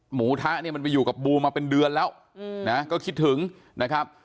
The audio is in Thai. หมูทะเนี่ยมันไปอยู่กับบูมาเป็นเดือนแล้วก็คิดถึงนะครับ